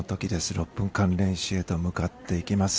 ６分間練習へと向かっていきます。